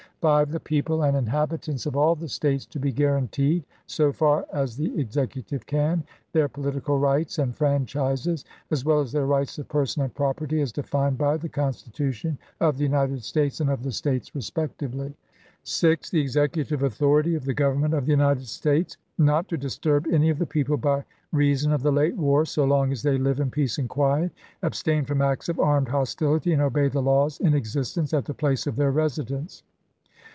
" 5. The people and inhabitants of all the States to be guaranteed, so far as the Executive can, their political rights and franchises, as well as their rights of person and property, as defined by the Constitution of the United States and of the States respectively. 248 ABRAHAM LINCOLN chap. xii. " 6. The Executive authority of the Government of the United States not to disturb any of the people by reason of the late war, so long as they live ApU8,i865. in peace and quiet, abstain from acts of armed hos tility and obey the laws in existence at the place of their residence.